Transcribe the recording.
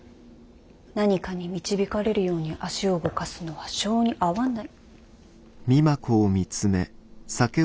何かに導かれるように足を動かすのは性に合わない。